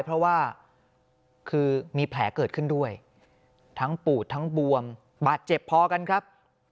เพราะว่าคือมีแผลเกิดขึ้นด้วยทั้งปูดทั้งบวมบาดเจ็บพอกันครับ